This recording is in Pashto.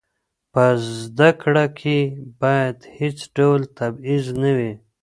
په زده کړه کې باید هېڅ ډول تبعیض نه وي.